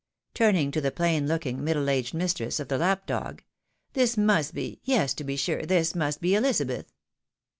" turning to the plain looking, middle aged mistress of the lap dog, "this must be, yes, to be sm e, this must be Elizabeth